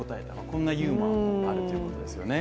こんなユーモアもあるということなんですよね